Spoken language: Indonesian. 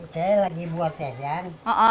saya lagi buat tehian